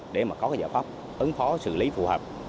để có giải pháp ứng phó xử lý phù hợp